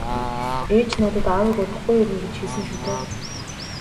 - Ээж надад аавыг удахгүй ирнэ гэж хэлсэн шүү дээ.